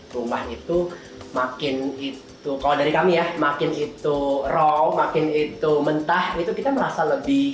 rumah itu makin itu kalau dari kami ya makin itu raw makin itu mentah itu kita merasa lebih